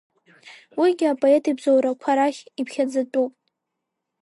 Уигьы апоет ибзоурақәа рахь иԥхьаӡатәуп.